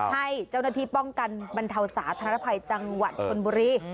ให้เจ้าหน้าที่ป้องกันบรรเทาสาธารณภัยจังหวัดชนบุรี